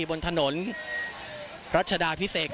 บนถนนรัชดาพิเศษ